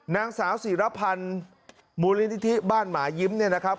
นางสาวศิรพันธ์มูลนิธิบ้านหมายิ้มเนี่ยนะครับ